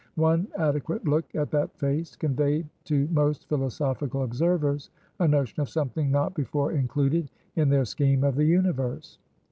One adequate look at that face conveyed to most philosophical observers a notion of something not before included in their scheme of the Universe.